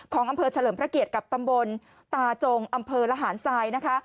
ของอำเภอเฉลิมพระเกียรติกับตำบลตาจงอำเภอระหารทรายนะคะ